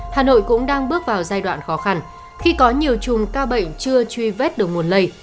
hà nội cũng đang bước vào giai đoạn khó khăn khi có nhiều chùm ca bệnh chưa truy vết được nguồn lây